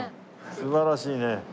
素晴らしいね。